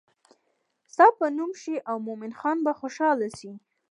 ستا به نوم شي او مومن خان به خوشحاله شي.